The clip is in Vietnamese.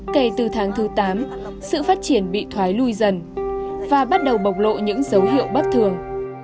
kể từ tháng thứ tám sự phát triển bị thoái lui dần và bắt đầu bộc lộ những dấu hiệu bất thường